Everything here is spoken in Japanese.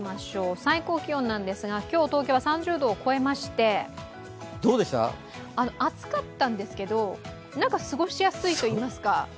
最高気温なんですが、今日東京は３０度を超えまして暑かったんですけど、過ごしやすいといいますか。